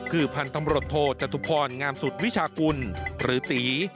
คือพันธมรตโทจัตุพรงามสุดวิชากุลหรือตี